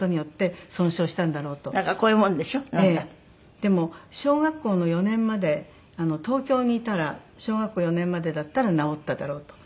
でも小学校の４年まで東京にいたら小学校４年までだったら治っただろうと。